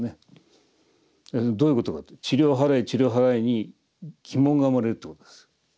どういうことかというと「塵を払え塵を払え」に疑問が生まれるということです。